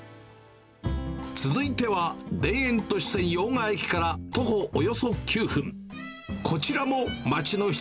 続いては、田園都市線用賀駅から徒歩およそ９分。